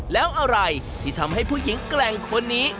แล้วอะไรที่ทำให้ผู้หญิงแกร่งคนนี้